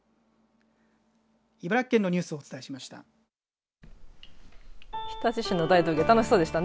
茨城県のニュースをお伝えしました。